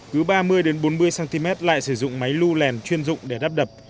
cứ ba mươi bốn mươi cm lại sử dụng máy lưu lèn chuyên dụng để đắp đập